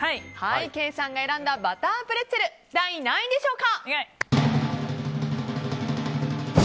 ケイさんが選んだバタープレッツェル第何位でしょうか。